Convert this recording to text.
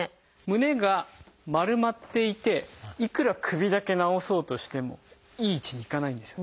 胸が丸まっていていくら首だけ直そうとしてもいい位置にいかないんですよ。